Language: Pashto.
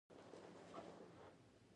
نارینه راووت غوږونه یې ځړېدلي وو.